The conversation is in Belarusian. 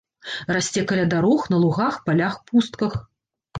Расце каля дарог, на лугах, палях, пустках.